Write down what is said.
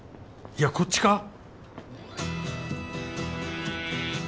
いやこっちか？